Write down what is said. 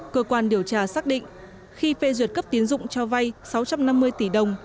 cơ quan điều tra xác định khi phê duyệt cấp tiến dụng cho vay sáu trăm năm mươi tỷ đồng